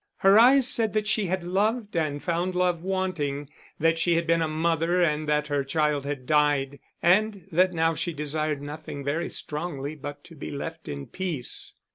Her eyes said that she had loved and found love wanting, that she had been a mother and that her child had died, and that now she desired nothing very strongly but to be left in peace.